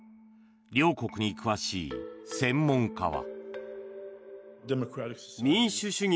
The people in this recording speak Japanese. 両国に詳しい専門家は。